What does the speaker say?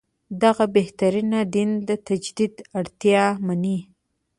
دغه بهیرونه دین تجدید اړتیا مني.